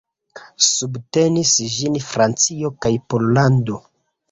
Subtenis ĝin Francio kaj Pollando.